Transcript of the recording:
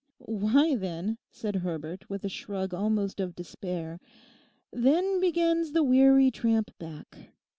'Why, then,' said Herbert with a shrug almost of despair, 'then begins the weary tramp back.